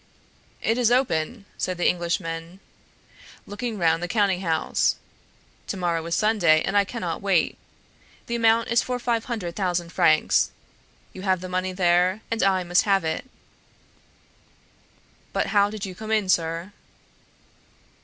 "It is open," said the Englishman, looking round the counting house. "To morrow is Sunday, and I cannot wait. The amount is for five hundred thousand francs. You have the money there, and I must have it." "But how did you come in, sir?"